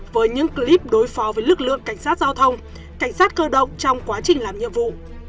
với những clip đối phó với lực lượng cảnh sát giao thông cảnh sát cơ động trong quá trình làm nhiệm vụ